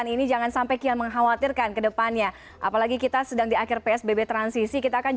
ini yang perlu diperhatikan